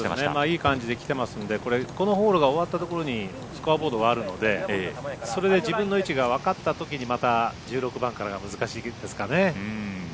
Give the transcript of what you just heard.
いい感じで来てますんでこのホールが終わったところにスコアボードがあるのでそれで自分の位置がわかった時にまた１６番からが難しいゲームですかね。